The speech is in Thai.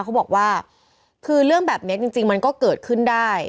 เขาบอกว่าคือเรื่องแบบนี้จริงมันก็เกิดขึ้นได้